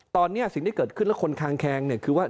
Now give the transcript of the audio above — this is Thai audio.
ตอนนี้สิ่งที่เกิดขึ้นแล้วคนคางแคงเนี่ยคือว่า